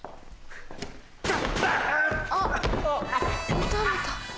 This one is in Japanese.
撃たれた。